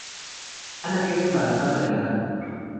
Ana queda embarazada de Alejandro.